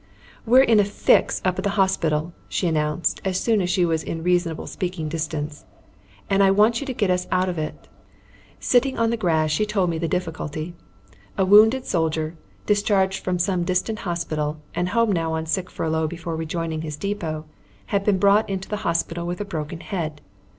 "We're in a fix up at the hospital," she announced as soon as she was in reasonable speaking distance, "and I want you to get us out of it." Sitting on the grass, she told me the difficulty. A wounded soldier, discharged from some distant hospital, and home now on sick furlough before rejoining his depot, had been brought into the hospital with a broken head.